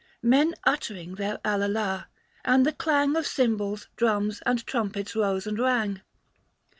Men uttering their alallah, and the clang Of cymbals, drums, and trumpets rose and rang.